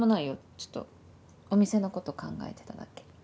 ちょっとお店のこと考えてただけ。